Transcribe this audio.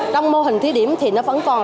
trong mô hình thí điểm thì nó vẫn còn